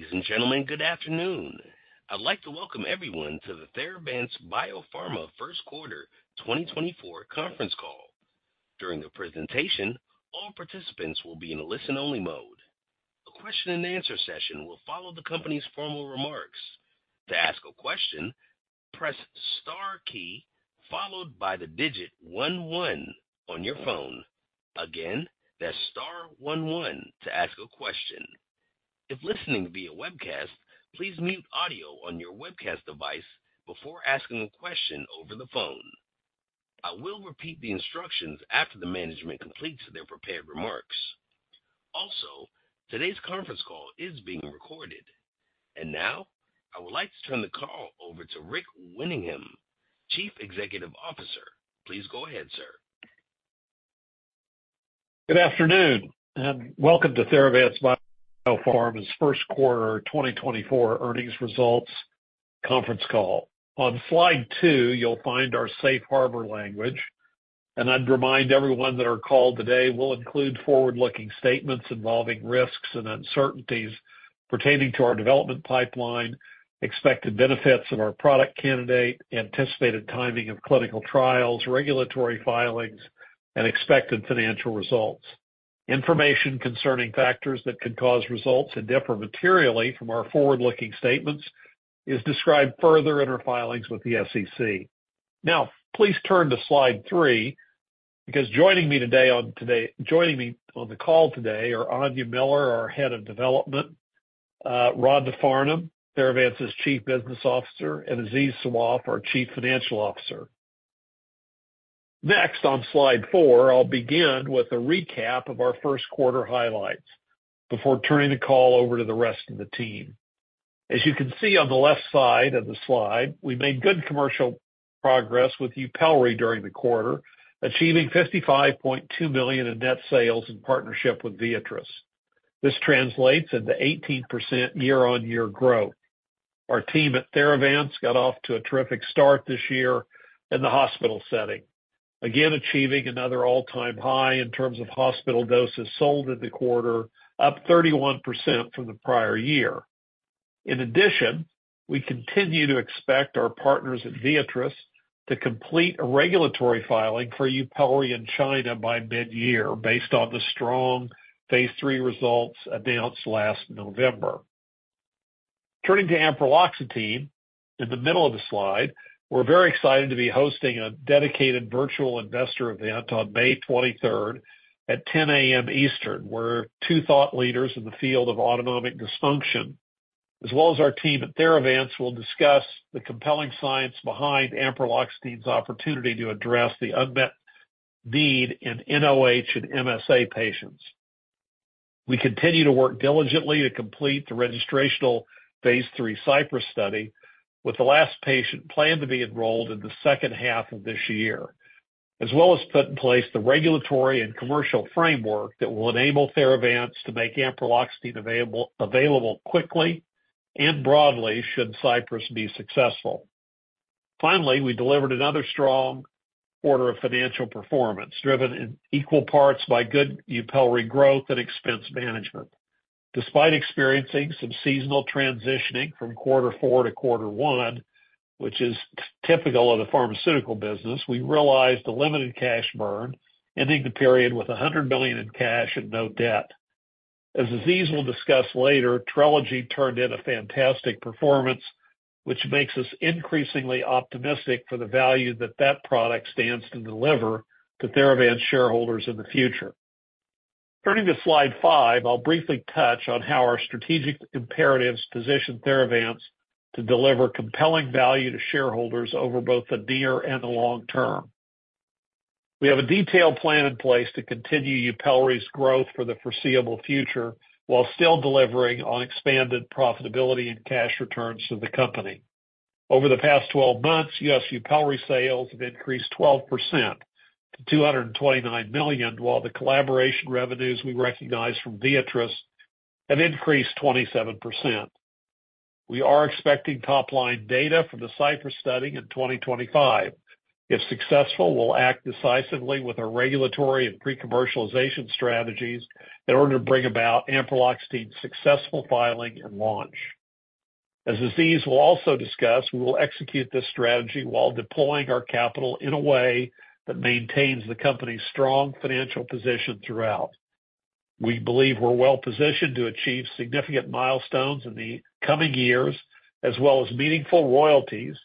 Ladies and gentlemen, good afternoon. I'd like to welcome everyone to the Theravance Biopharma First Quarter 2024 conference call. During the presentation, all participants will be in a listen-only mode. A question-and-answer session will follow the company's formal remarks. To ask a question, press Star key followed by the digit one one on your phone. Again, that's Star one one to ask a question. If listening via webcast, please mute audio on your webcast device before asking a question over the phone. I will repeat the instructions after the management completes their prepared remarks. Also, today's conference call is being recorded. Now I would like to turn the call over to Rick Winningham, Chief Executive Officer. Please go ahead, sir. Good afternoon. Welcome to Theravance Biopharma's First Quarter 2024 earnings results conference call. On slide two, you'll find our safe harbor language. I'd remind everyone that our call today will include forward-looking statements involving risks and uncertainties pertaining to our development pipeline, expected benefits of our product candidate, anticipated timing of clinical trials, regulatory filings, and expected financial results. Information concerning factors that could cause results to differ materially from our forward-looking statements is described further in our filings with the SEC. Now, please turn to slide three because joining me today on the call are Aine Miller, our head of development, Rhonda Farnum, Theravance's Chief Business Officer, and Aziz Sawaf, our Chief Financial Officer. Next, on slide four, I'll begin with a recap of our first quarter highlights before turning the call over to the rest of the team. As you can see on the left side of the slide, we made good commercial progress with YUPELRI during the quarter, achieving $55.2 million in net sales in partnership with Viatris. This translates into 18% year-on-year growth. Our team at Theravance got off to a terrific start this year in the hospital setting, again achieving another all-time high in terms of hospital doses sold in the quarter, up 31% from the prior year. In addition, we continue to expect our partners at Viatris to complete a regulatory filing for YUPELRI in China by mid-year based on the strong phase III results announced last November. Turning to Ampreloxetine, in the middle of the slide, we're very excited to be hosting a dedicated virtual investor event on May 23rd at 10:00 A.M. Eastern, where two thought leaders in the field of autonomic dysfunction as well as our team at Theravance will discuss the compelling science behind Ampreloxetine's opportunity to address the unmet need in nOH and MSA patients. We continue to work diligently to complete the registrational phase III CYPRESS study with the last patient planned to be enrolled in the second half of this year, as well as put in place the regulatory and commercial framework that will enable Theravance to make Ampreloxetine available quickly and broadly should CYPRESS be successful. Finally, we delivered another strong quarter of financial performance, driven in equal parts by good YUPELRI growth and expense management. Despite experiencing some seasonal transitioning from quarter four to quarter one, which is typical of the pharmaceutical business, we realized a limited cash burn ending the period with $100 million in cash and no debt. As Aziz will discuss later, TRELEGY turned in a fantastic performance, which makes us increasingly optimistic for the value that that product stands to deliver to Theravance shareholders in the future. Turning to slide five, I'll briefly touch on how our strategic imperatives position Theravance to deliver compelling value to shareholders over both the near and the long term. We have a detailed plan in place to continue YUPELRI's growth for the foreseeable future while still delivering on expanded profitability and cash returns to the company. Over the past 12 months, US YUPELRI sales have increased 12% to $229 million, while the collaboration revenues we recognize from Viatris have increased 27%. We are expecting top-line data from the CYPRESS study in 2025. If successful, we'll act decisively with our regulatory and pre-commercialization strategies in order to bring about Ampreloxetine successful filing and launch. As Aziz will also discuss, we will execute this strategy while deploying our capital in a way that maintains the company's strong financial position throughout. We believe we're well positioned to achieve significant milestones in the coming years as well as meaningful royalties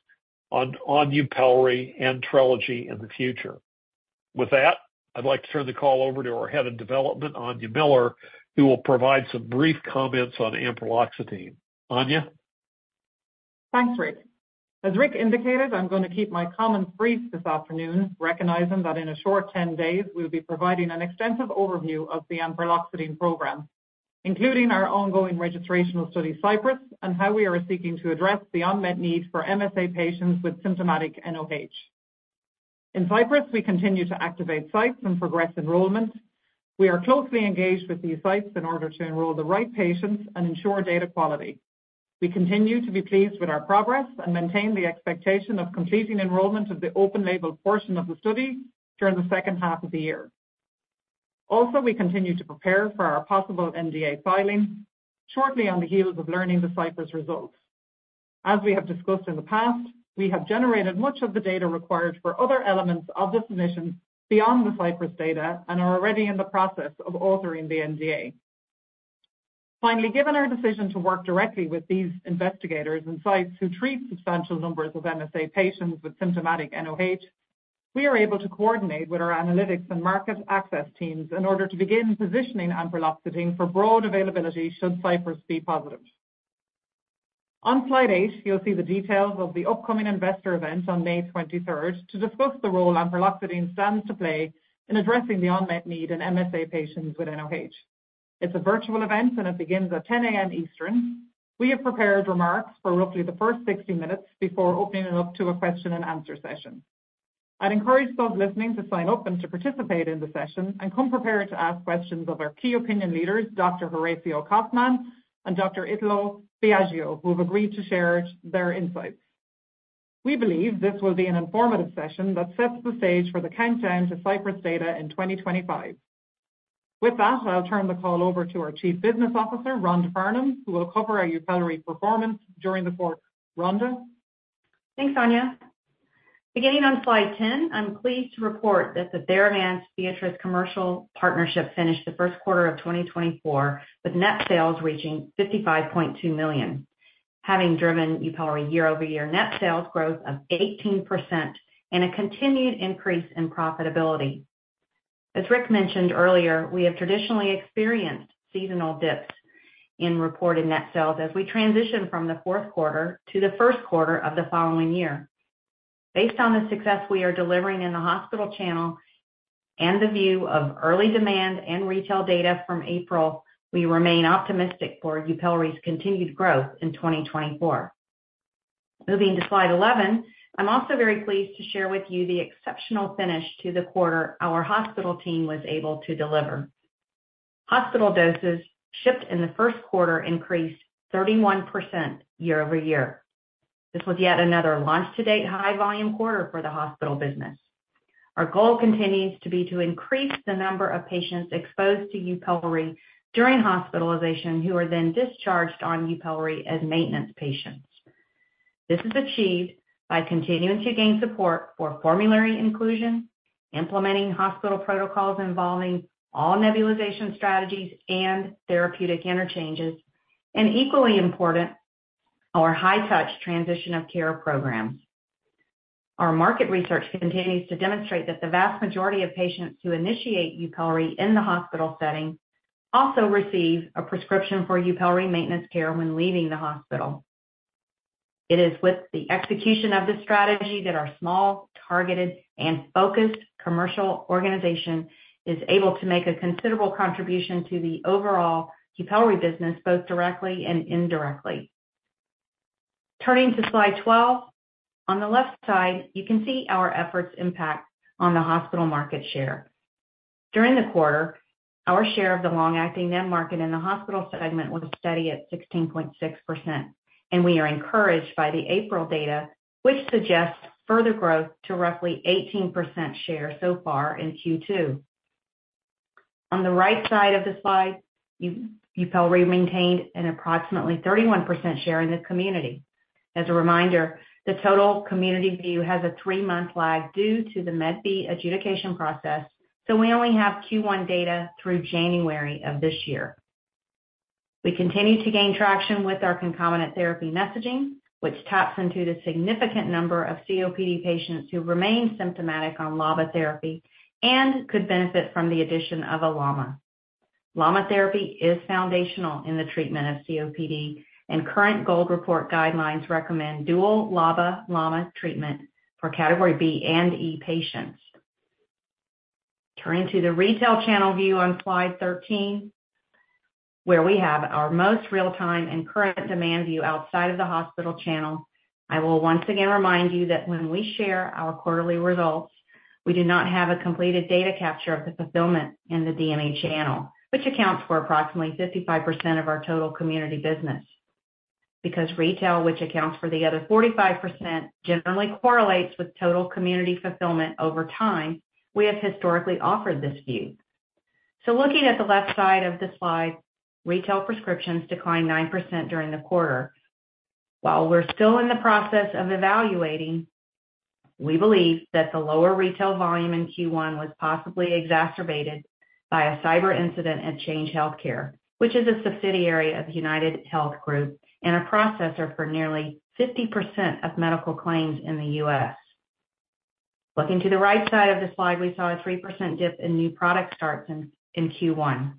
on YUPELRI and TRELEGY in the future. With that, I'd like to turn the call over to our Head of Development, Aine Miller, who will provide some brief comments on Ampreloxetine. Aine? Thanks, Rick. As Rick indicated, I'm going to keep my comments brief this afternoon, recognizing that in a short 10 days, we will be providing an extensive overview of the Ampreloxetine program, including our ongoing registrational study CYPRESS and how we are seeking to address the unmet need for MSA patients with symptomatic nOH. In CYPRESS, we continue to activate sites and progress enrollment. We are closely engaged with these sites in order to enroll the right patients and ensure data quality. We continue to be pleased with our progress and maintain the expectation of completing enrollment of the open-label portion of the study during the second half of the year. Also, we continue to prepare for our possible NDA filing shortly on the heels of learning the CYPRESS results. As we have discussed in the past, we have generated much of the data required for other elements of the submission beyond the CYPRESS data and are already in the process of authoring the NDA. Finally, given our decision to work directly with these investigators and sites who treat substantial numbers of MSA patients with symptomatic nOH, we are able to coordinate with our analytics and market access teams in order to begin positioning Ampreloxetine for broad availability should CYPRESS be positive. On slide eight, you'll see the details of the upcoming investor event on May 23rd to discuss the role Ampreloxetine stands to play in addressing the unmet need in MSA patients with nOH. It's a virtual event, and it begins at 10:00 A.M. Eastern. We have prepared remarks for roughly the first 60 minutes before opening it up to a question-and-answer session. I'd encourage those listening to sign up and to participate in the session and come prepared to ask questions of our key opinion leaders, Dr. Horacio Kaufmann and Dr. Italo Biaggioni, who have agreed to share their insights. We believe this will be an informative session that sets the stage for the countdown to CYPRESS data in 2025. With that, I'll turn the call over to our Chief Business Officer, Rhonda Farnum, who will cover our YUPELRI performance during the quarter. Rhonda? Thanks, Aine. Beginning on slide 10, I'm pleased to report that the Theravance-Viatris commercial partnership finished the first quarter of 2024 with net sales reaching $55.2 million, having driven YUPELRI year-over-year net sales growth of 18% and a continued increase in profitability. As Rick mentioned earlier, we have traditionally experienced seasonal dips in reported net sales as we transition from the fourth quarter to the first quarter of the following year. Based on the success we are delivering in the hospital channel and the view of early demand and retail data from April, we remain optimistic for YUPELRI's continued growth in 2024. Moving to slide 11, I'm also very pleased to share with you the exceptional finish to the quarter our hospital team was able to deliver. Hospital doses shipped in the first quarter increased 31% year-over-year. This was yet another launch-to-date high-volume quarter for the hospital business. Our goal continues to be to increase the number of patients exposed to YUPELRI during hospitalization who are then discharged on YUPELRI as maintenance patients. This is achieved by continuing to gain support for formulary inclusion, implementing hospital protocols involving all nebulization strategies and therapeutic interchanges, and equally important, our high-touch transition of care programs. Our market research continues to demonstrate that the vast majority of patients who initiate YUPELRI in the hospital setting also receive a prescription for YUPELRI maintenance care when leaving the hospital. It is with the execution of this strategy that our small, targeted, and focused commercial organization is able to make a considerable contribution to the overall YUPELRI business both directly and indirectly. Turning to slide 12, on the left side, you can see our efforts' impact on the hospital market share. During the quarter, our share of the long-acting net market in the hospital segment was steady at 16.6%, and we are encouraged by the April data, which suggests further growth to roughly 18% share so far in Q2. On the right side of the slide, YUPELRI maintained an approximately 31% share in the community. As a reminder, the total community view has a three-month lag due to the Medicare Part B adjudication process, so we only have Q1 data through January of this year. We continue to gain traction with our concomitant therapy messaging, which taps into the significant number of COPD patients who remain symptomatic on LABA therapy and could benefit from the addition of a LAMA. LAMA therapy is foundational in the treatment of COPD, and current gold report guidelines recommend dual LABA/LAMA treatment for Category B and E patients. Turning to the retail channel view on slide 13, where we have our most real-time and current demand view outside of the hospital channel, I will once again remind you that when we share our quarterly results, we do not have a completed data capture of the fulfillment in the DME channel, which accounts for approximately 55% of our total community business. Because retail, which accounts for the other 45%, generally correlates with total community fulfillment over time, we have historically offered this view. Looking at the left side of the slide, retail prescriptions declined 9% during the quarter. While we're still in the process of evaluating, we believe that the lower retail volume in Q1 was possibly exacerbated by a cyber incident at Change Healthcare, which is a subsidiary of UnitedHealth Group and a processor for nearly 50% of medical claims in the U.S. Looking to the right side of the slide, we saw a 3% dip in new product starts in Q1.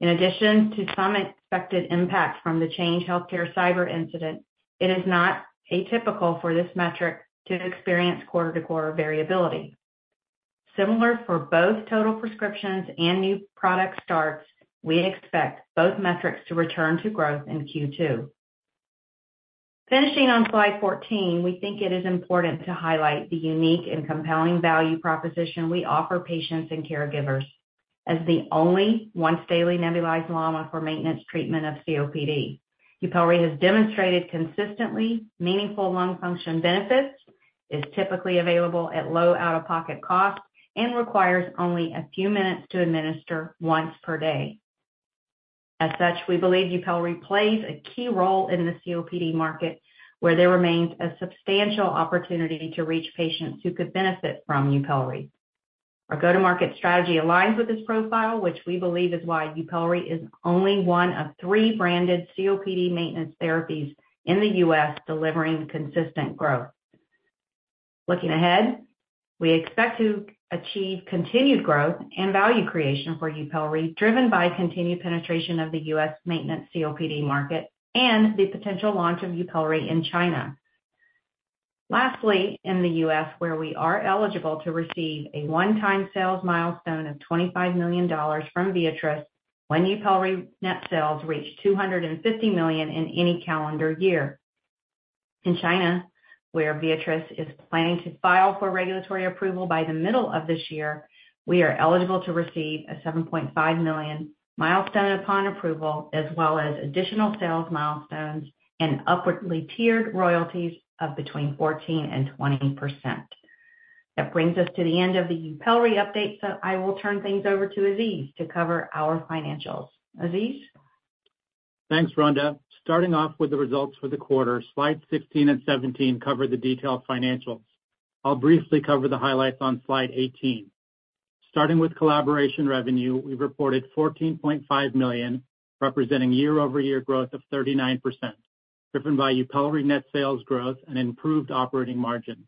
In addition to some expected impact from the Change Healthcare cyber incident, it is not atypical for this metric to experience quarter-to-quarter variability. Similar for both total prescriptions and new product starts, we expect both metrics to return to growth in Q2. Finishing on slide 14, we think it is important to highlight the unique and compelling value proposition we offer patients and caregivers as the only once-daily nebulized LAMA for maintenance treatment of COPD. YUPELRI has demonstrated consistently meaningful lung function benefits, is typically available at low out-of-pocket costs, and requires only a few minutes to administer once per day. As such, we believe YUPELRI plays a key role in the COPD market, where there remains a substantial opportunity to reach patients who could benefit from YUPELRI. Our go-to-market strategy aligns with this profile, which we believe is why YUPELRI is only one of three branded COPD maintenance therapies in the US delivering consistent growth. Looking ahead, we expect to achieve continued growth and value creation for YUPELRI, driven by continued penetration of the US maintenance COPD market and the potential launch of YUPELRI in China. Lastly, in the US, where we are eligible to receive a one-time sales milestone of $25 million from Viatris when YUPELRI net sales reach $250 million in any calendar year. In China, where Viatris is planning to file for regulatory approval by the middle of this year, we are eligible to receive a $7.5 million milestone upon approval, as well as additional sales milestones and upwardly tiered royalties of between 14%-20%. That brings us to the end of the YUPELRI update, so I will turn things over to Aziz to cover our financials. Aziz? Thanks, Rhonda. Starting off with the results for the quarter, slides 16 and 17 cover the detailed financials. I'll briefly cover the highlights on slide 18. Starting with collaboration revenue, we've reported $14.5 million, representing year-over-year growth of 39%, driven by YUPELRI net sales growth and improved operating margins.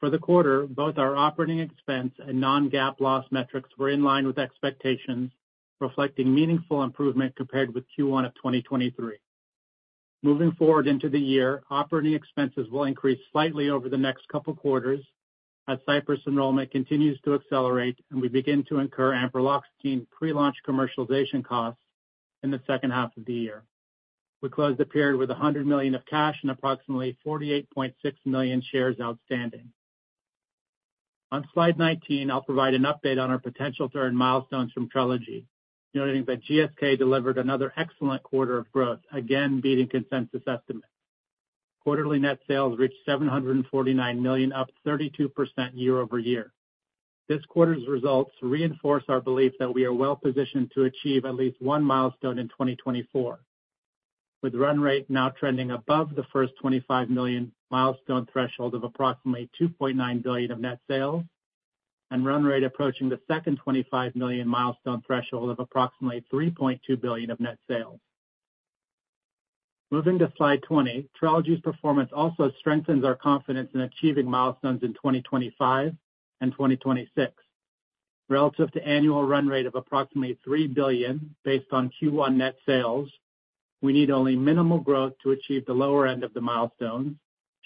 For the quarter, both our operating expense and non-GAAP loss metrics were in line with expectations, reflecting meaningful improvement compared with Q1 of 2023. Moving forward into the year, operating expenses will increase slightly over the next couple of quarters as CYPRESS enrollment continues to accelerate, and we begin to incur Ampreloxetine pre-launch commercialization costs in the second half of the year. We closed the period with $100 million of cash and approximately 48.6 million shares outstanding. On slide 19, I'll provide an update on our potential third milestones from TRELEGY, noting that GSK delivered another excellent quarter of growth, again beating consensus estimates. Quarterly net sales reached $749 million, up 32% year-over-year. This quarter's results reinforce our belief that we are well positioned to achieve at least one milestone in 2024, with run rate now trending above the first $25 million milestone threshold of approximately $2.9 billion of net sales and run rate approaching the second $25 million milestone threshold of approximately $3.2 billion of net sales. Moving to slide 20, TRELEGY's performance also strengthens our confidence in achieving milestones in 2025 and 2026. Relative to annual run rate of approximately $3 billion based on Q1 net sales, we need only minimal growth to achieve the lower end of the milestones,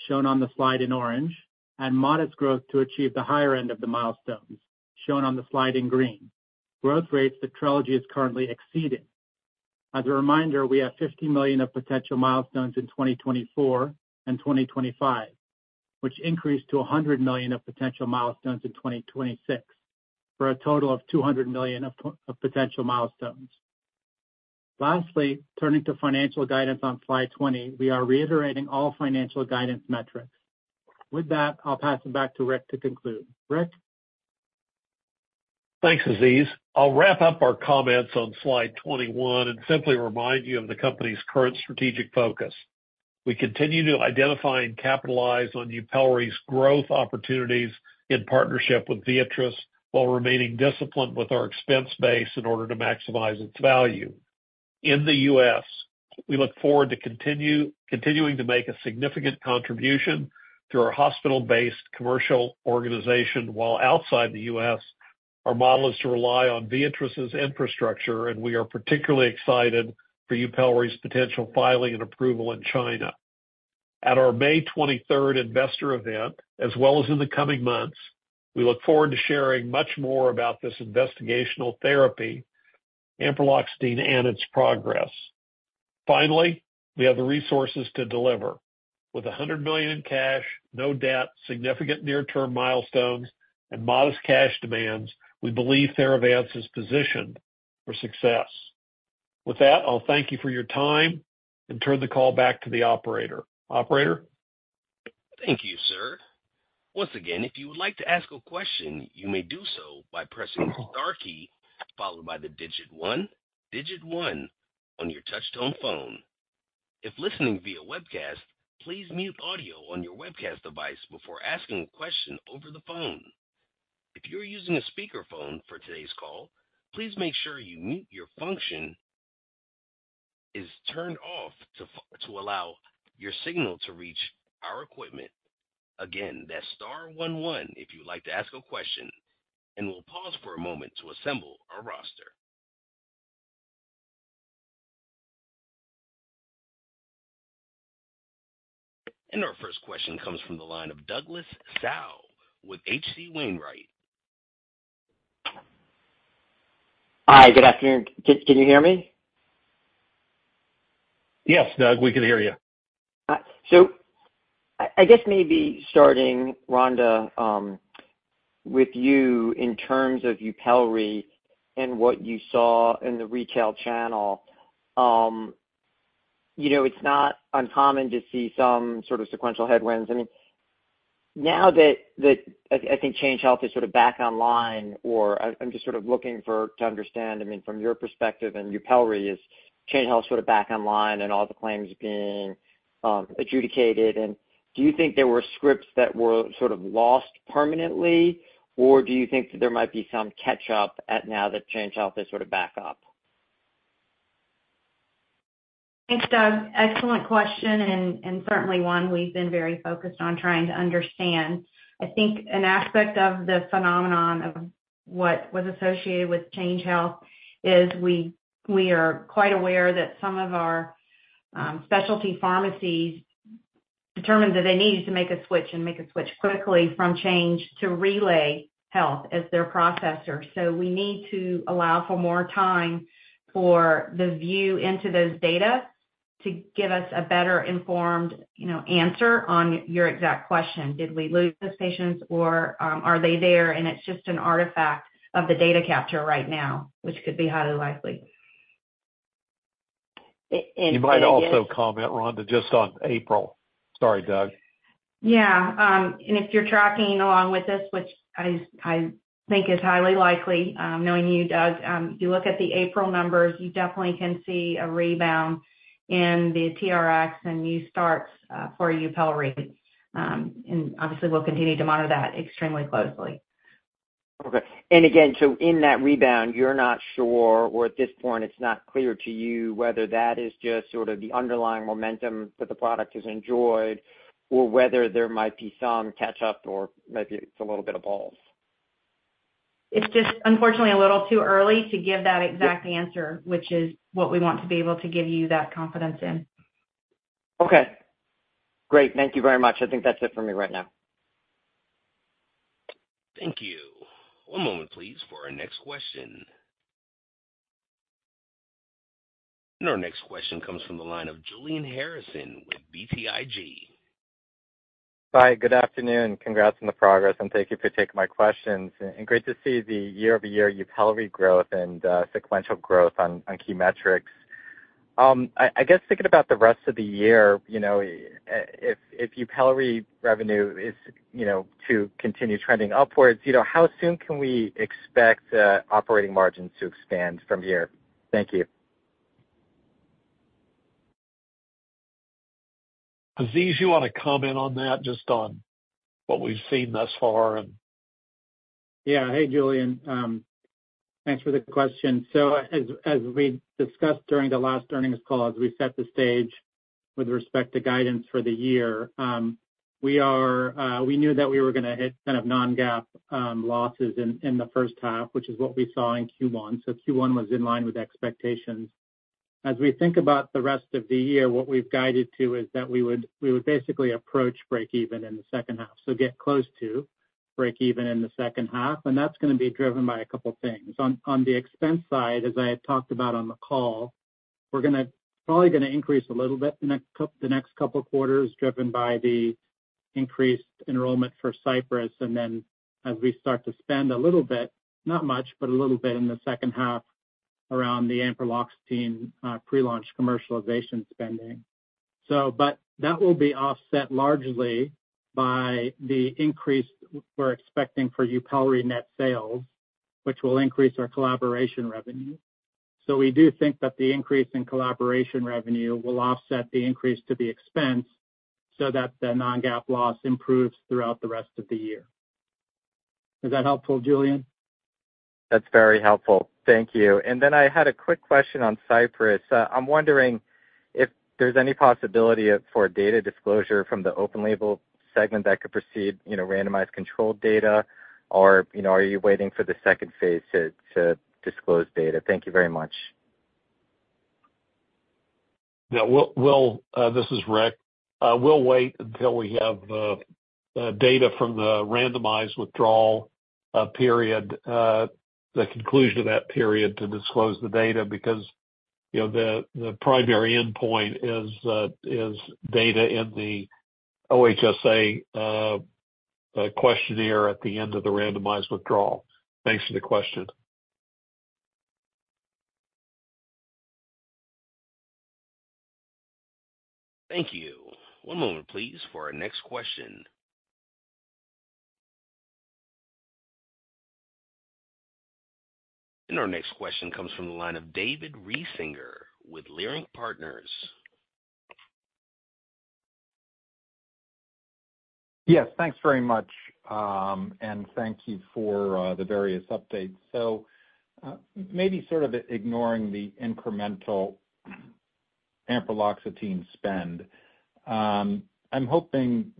shown on the slide in orange, and modest growth to achieve the higher end of the milestones, shown on the slide in green, growth rates that TRELEGY is currently exceeding. As a reminder, we have $50 million of potential milestones in 2024 and 2025, which increased to $100 million of potential milestones in 2026 for a total of $200 million of potential milestones. Lastly, turning to financial guidance on slide 20, we are reiterating all financial guidance metrics. With that, I'll pass it back to Rick to conclude. Rick? Thanks, Aziz. I'll wrap up our comments on slide 21 and simply remind you of the company's current strategic focus. We continue to identify and capitalize on YUPELRI's growth opportunities in partnership with Viatris while remaining disciplined with our expense base in order to maximize its value. In the US, we look forward to continuing to make a significant contribution through our hospital-based commercial organization. While outside the US, our model is to rely on Viatris's infrastructure, and we are particularly excited for YUPELRI's potential filing and approval in China. At our May 23rd investor event, as well as in the coming months, we look forward to sharing much more about this investigational therapy, Ampreloxetine, and its progress. Finally, we have the resources to deliver. With $100 million in cash, no debt, significant near-term milestones, and modest cash demands, we believe Theravance is positioned for success. With that, I'll thank you for your time and turn the call back to the operator. Operator? Thank you, sir. Once again, if you would like to ask a question, you may do so by pressing the star key followed by the digit one, digit one, on your touch-tone phone. If listening via webcast, please mute audio on your webcast device before asking a question over the phone. If you're using a speakerphone for today's call, please make sure your mute function is turned off to allow your signal to reach our equipment. Again, that's star one one if you'd like to ask a question, and we'll pause for a moment to assemble our roster. Our first question comes from the line of Douglas Tsao with H.C. Wainwright. Hi, good afternoon. Can you hear me? Yes, Doug, we can hear you. So I guess maybe starting, Rhonda, with you in terms of YUPELRI and what you saw in the retail channel. It's not uncommon to see some sort of sequential headwinds. I mean, now that I think Change Healthcare is sort of back online, or I'm just sort of looking to understand, I mean, from your perspective and YUPELRI, is Change Healthcare sort of back online and all the claims being adjudicated? And do you think there were scripts that were sort of lost permanently, or do you think that there might be some catch-up now that Change Healthcare is sort of back up? Thanks, Doug. Excellent question and certainly one we've been very focused on trying to understand. I think an aspect of the phenomenon of what was associated with Change Healthcare is we are quite aware that some of our specialty pharmacies determined that they needed to make a switch and make a switch quickly from Change Healthcare to RelayHealth as their processor. So we need to allow for more time for the view into those data to give us a better informed answer on your exact question. Did we lose those patients, or are they there, and it's just an artifact of the data capture right now, which could be highly likely? You might also comment, Rhonda, just on April. Sorry, Doug. Yeah. And if you're tracking along with this, which I think is highly likely, knowing you, Doug, if you look at the April numbers, you definitely can see a rebound in the TRX and new starts for YUPELRI. And obviously, we'll continue to monitor that extremely closely. Okay. And again, so in that rebound, you're not sure, or at this point, it's not clear to you whether that is just sort of the underlying momentum that the product has enjoyed or whether there might be some catch-up or maybe it's a little bit of both? It's just, unfortunately, a little too early to give that exact answer, which is what we want to be able to give you that confidence in. Okay. Great. Thank you very much. I think that's it for me right now. Thank you. One moment, please, for our next question. Our next question comes from the line of Julian Harrison with BTIG. Hi. Good afternoon. Congrats on the progress, and thank you for taking my questions. Great to see the year-over-year YUPELRI growth and sequential growth on key metrics. I guess thinking about the rest of the year, if YUPELRI revenue is to continue trending upwards, how soon can we expect operating margins to expand from here? Thank you. Aziz, you want to comment on that, just on what we've seen thus far and? Yeah. Hey, Julian. Thanks for the question. So as we discussed during the last earnings call, as we set the stage with respect to guidance for the year, we knew that we were going to hit kind of non-GAAP losses in the first half, which is what we saw in Q1. So Q1 was in line with expectations. As we think about the rest of the year, what we've guided to is that we would basically approach break-even in the second half, so get close to break-even in the second half. And that's going to be driven by a couple of things. On the expense side, as I had talked about on the call, we're probably going to increase a little bit in the next couple of quarters, driven by the increased enrollment for CYPRESS. And then as we start to spend a little bit, not much, but a little bit in the second half around the Ampreloxetine pre-launch commercialization spending. But that will be offset largely by the increase we're expecting for YUPELRI net sales, which will increase our collaboration revenue. So we do think that the increase in collaboration revenue will offset the increase to the expense so that the non-GAAP loss improves throughout the rest of the year. Is that helpful, Julian? That's very helpful. Thank you. And then I had a quick question on CYPRESS. I'm wondering if there's any possibility for data disclosure from the open-label segment that could proceed, randomized controlled data, or are you waiting for the second phase to disclose data? Thank you very much. Yeah. This is Rick. We'll wait until we have data from the randomized withdrawal period, the conclusion of that period, to disclose the data because the primary endpoint is data in the OHSA questionnaire at the end of the randomized withdrawal. Thanks for the question. Thank you. One moment, please, for our next question. Our next question comes from the line of David Risinger with Leerink Partners. Yes. Thanks very much, and thank you for the various updates. So maybe sort of ignoring the incremental Ampreloxetine spend, I'm hoping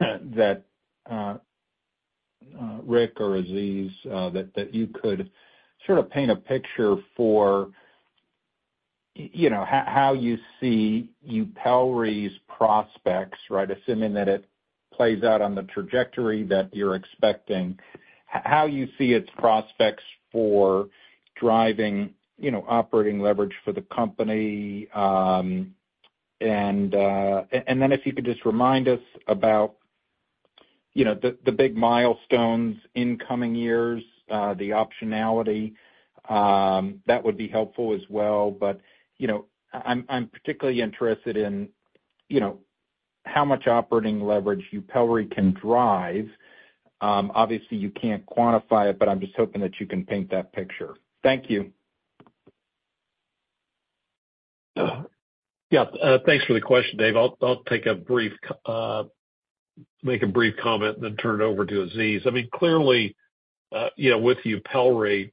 that Rick or Aziz, that you could sort of paint a picture for how you see YUPELRI's prospects, right, assuming that it plays out on the trajectory that you're expecting, how you see its prospects for driving operating leverage for the company. And then if you could just remind us about the big milestones in coming years, the optionality, that would be helpful as well. But I'm particularly interested in how much operating leverage YUPELRI can drive. Obviously, you can't quantify it, but I'm just hoping that you can paint that picture. Thank you. Yeah. Thanks for the question, Dave. I'll make a brief comment and then turn it over to Aziz. I mean, clearly, with YUPELRI,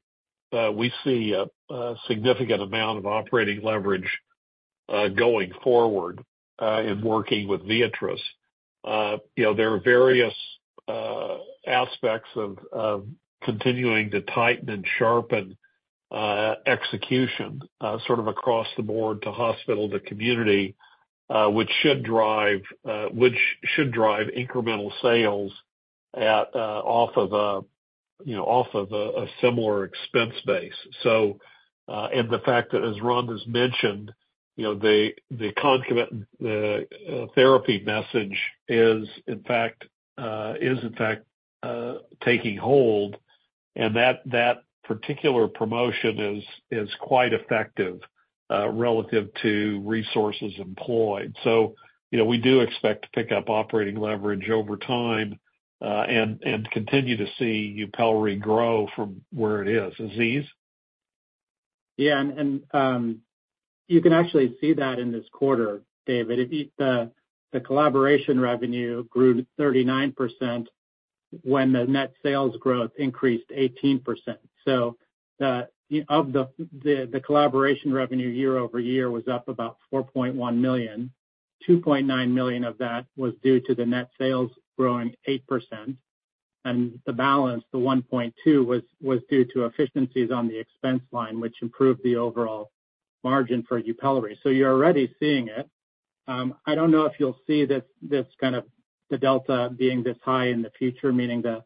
we see a significant amount of operating leverage going forward in working with Viatris. There are various aspects of continuing to tighten and sharpen execution sort of across the board to hospital, the community, which should drive incremental sales off of a similar expense base. And the fact that, as Rhonda's mentioned, the concomitant therapy message is in fact taking hold, and that particular promotion is quite effective relative to resources employed. So we do expect to pick up operating leverage over time and continue to see YUPELRI grow from where it is. Aziz? Yeah. And you can actually see that in this quarter, David. The collaboration revenue grew 39% when the net sales growth increased 18%. So of the collaboration revenue year over year, was up about $4.1 million. $2.9 million of that was due to the net sales growing 8%. And the balance, the $1.2 million, was due to efficiencies on the expense line, which improved the overall margin for YUPELRI. So you're already seeing it. I don't know if you'll see this kind of the delta being this high in the future, meaning the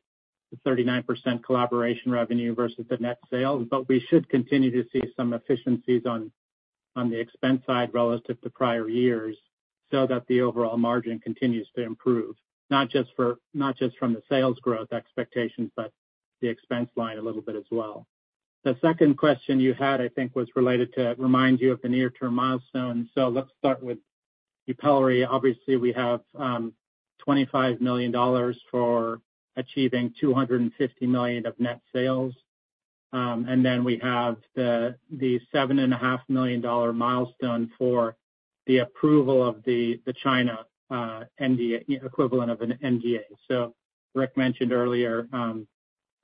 39% collaboration revenue versus the net sales, but we should continue to see some efficiencies on the expense side relative to prior years so that the overall margin continues to improve, not just from the sales growth expectations, but the expense line a little bit as well. The second question you had, I think, was related to remind you of the near-term milestones. So let's start with YUPELRI. Obviously, we have $25 million for achieving $250 million of net sales. And then we have the $7.5 million milestone for the approval of the China equivalent of an NDA. So Rick mentioned earlier,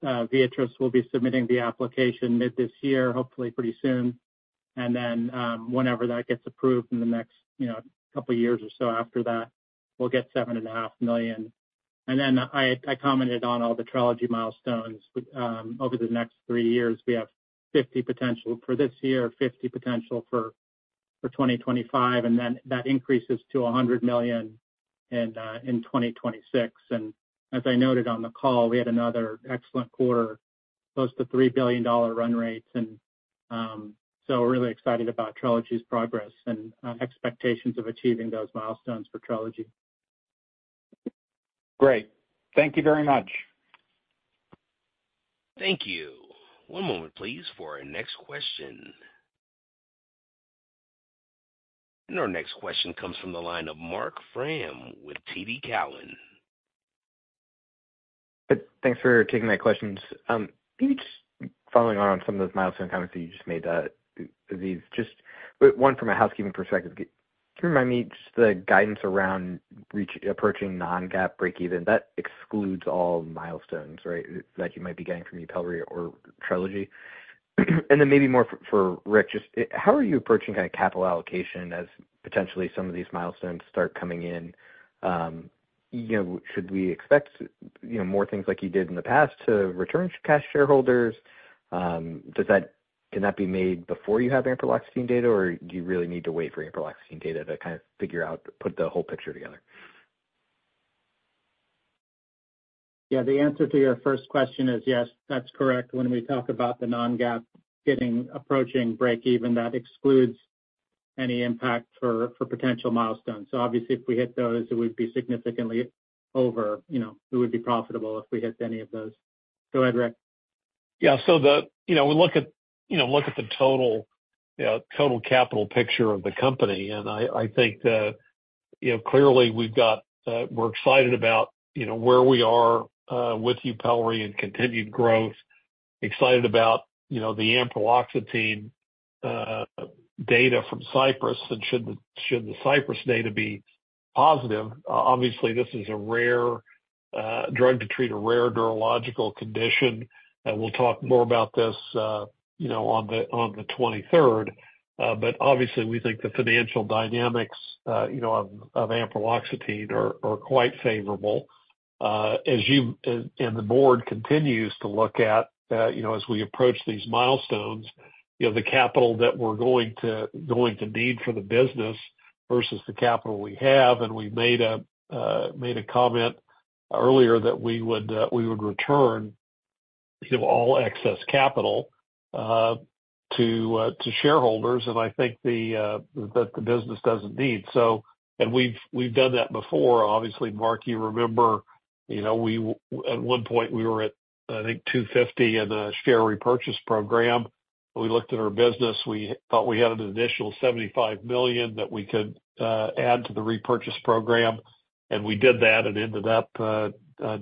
Viatris will be submitting the application mid this year, hopefully pretty soon. And then whenever that gets approved in the next couple of years or so after that, we'll get $7.5 million. And then I commented on all the TRELEGY milestones. Over the next three years, we have $50 million potential for this year, $50 million potential for 2025, and then that increases to $100 million in 2026. And as I noted on the call, we had another excellent quarter, close to $3 billion run rates. We're really excited about TRELEGY's progress and expectations of achieving those milestones for TRELEGY. Great. Thank you very much. Thank you. One moment, please, for our next question. Our next question comes from the line of Mark Frahm with TD Cowen. Thanks for taking my questions. Maybe just following on some of those milestone comments that you just made, Aziz, just one from a housekeeping perspective. Can you remind me just the guidance around approaching non-GAAP break-even? That excludes all milestones, right, that you might be getting from YUPELRI or TRELEGY? And then maybe more for Rick, just how are you approaching kind of capital allocation as potentially some of these milestones start coming in? Should we expect more things like you did in the past to return cash to shareholders? Can that be made before you have Ampreloxetine data, or do you really need to wait for Ampreloxetine data to kind of figure out, put the whole picture together? Yeah. The answer to your first question is yes, that's correct. When we talk about the non-GAAP approaching break-even, that excludes any impact for potential milestones. So obviously, if we hit those, it would be significantly over. It would be profitable if we hit any of those. Go ahead, Rick. Yeah. So we look at the total capital picture of the company, and I think clearly, we're excited about where we are with YUPELRI and continued growth, excited about the Ampreloxetine data from CYPRESS, and should the CYPRESS data be positive. Obviously, this is a rare drug to treat a rare neurological condition. We'll talk more about this on the 23rd. But obviously, we think the financial dynamics of Ampreloxetine are quite favorable. And the board continues to look at, as we approach these milestones, the capital that we're going to need for the business versus the capital we have. And we made a comment earlier that we would return all excess capital to shareholders, and I think that the business doesn't need. And we've done that before. Obviously, Mark, you remember, at one point, we were at, I think, $250 in a share repurchase program. We looked at our business. We thought we had an initial $75 million that we could add to the repurchase program. We did that and ended up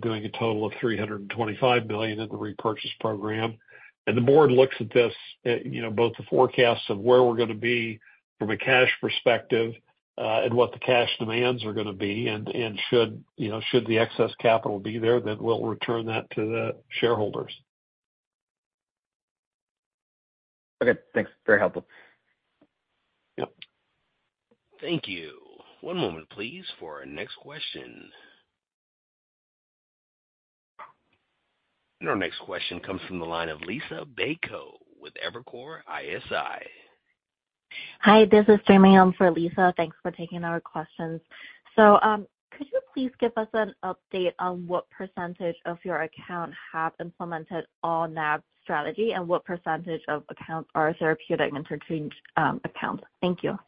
doing a total of $325 million in the repurchase program. The board looks at both the forecasts of where we're going to be from a cash perspective and what the cash demands are going to be. Should the excess capital be there, then we'll return that to the shareholders. Okay. Thanks. Very helpful. Yep. Thank you. One moment, please, for our next question. Our next question comes from the line of Liisa Bayko with Evercore ISI. Hi. This is Jamie Easton for Lisa. Thanks for taking our questions. So could you please give us an update on what percentage of your account have implemented all NAB strategy and what percentage of accounts are therapeutic interchange accounts? Thank you.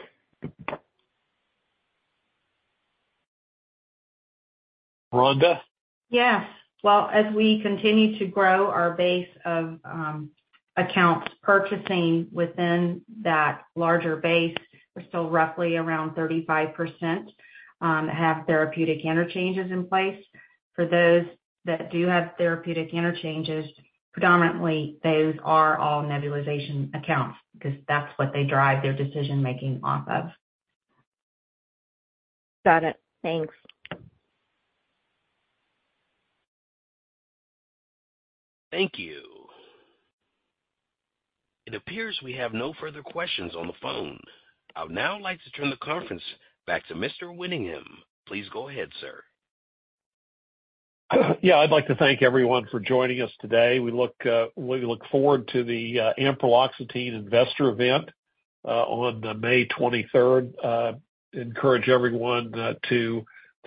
Rhonda? Yes. Well, as we continue to grow our base of accounts purchasing within that larger base, we're still roughly around 35% have therapeutic interchanges in place. For those that do have therapeutic interchanges, predominantly, those are all nebulization accounts because that's what they drive their decision-making off of. Got it. Thanks. Thank you. It appears we have no further questions on the phone. I would now like to turn the conference back to Mr. Winningham. Please go ahead, sir. Yeah. I'd like to thank everyone for joining us today. We look forward to the Ampreloxetine investor event on May 23rd. Encourage everyone to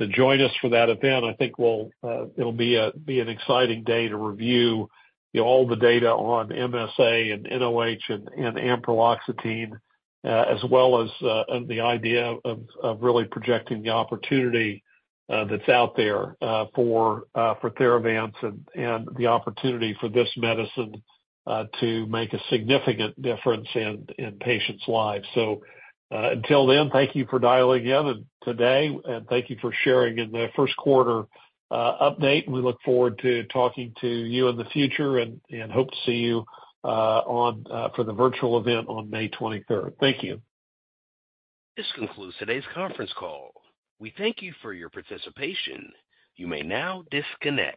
join us for that event. I think it'll be an exciting day to review all the data on MSA and nOH and Ampreloxetine as well as the idea of really projecting the opportunity that's out there for Theravance and the opportunity for this medicine to make a significant difference in patients' lives. So until then, thank you for dialing in today, and thank you for sharing in the first quarter update. And we look forward to talking to you in the future and hope to see you for the virtual event on May 23rd. Thank you. This concludes today's conference call. We thank you for your participation. You may now disconnect.